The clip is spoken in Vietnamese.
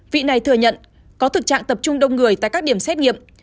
vị này thừa nhận có thực trạng tập trung đông người tại các điểm xét nghiệm